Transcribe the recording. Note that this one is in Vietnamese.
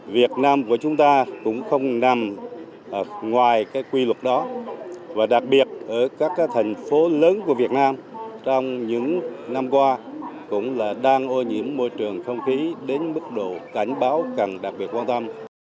việt nam của chúng ta cũng không nằm ngoài cái quy luật đó và đặc biệt ở các thành phố lớn của việt nam trong những năm qua cũng là đang ô nhiễm môi trường không khí đến mức độ cảnh báo cần đặc biệt quan tâm